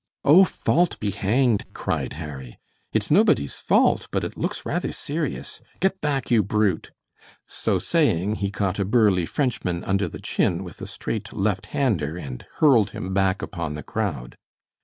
"Oh, fault be hanged!" cried Harry. "It's nobody's fault, but it looks rather serious. Get back, you brute!" So saying, he caught a burly Frenchman under the chin with a straight left hander and hurled him back upon the crowd.